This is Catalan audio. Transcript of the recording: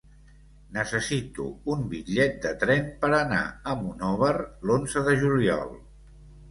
Necessito un bitllet de tren per anar a Monòver l'onze de juliol.